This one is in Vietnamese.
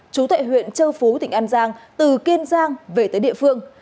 chú tại huyện châu phú tỉnh an giang từ kiên giang về tới địa phương